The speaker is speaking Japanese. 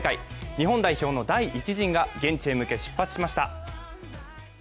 日本代表の第１陣が現地へ向け出発しました。